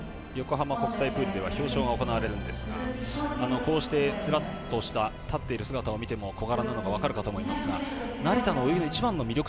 横浜国際プールでは表彰が行われるんですがこうして、すらっと立っている姿を見ても、小柄なのが分かると思いますが成田の泳ぎの魅力